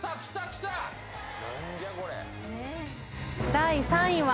第３位は。